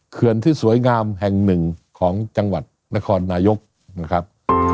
เขื่อนที่สวยงามแห่งหนึ่งของจังหวัดนครนายกนะครับ